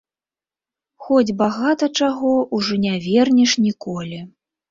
Хоць багата чаго ўжо не вернеш ніколі.